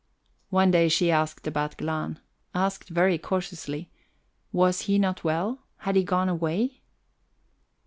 One day she asked about Glahn asked very cautiously. Was he not well? Had he gone away?